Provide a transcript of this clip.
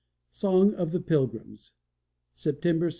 SONG OF THE PILGRIMS [September 16 (N. S.)